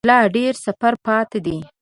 لا ډیر سفر پاته دی